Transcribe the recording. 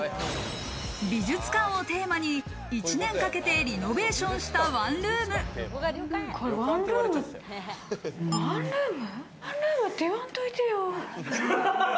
美術館をテーマに１年かけてリノベーションしたワンルーム。